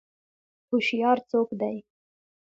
هوشیار څوک دی؟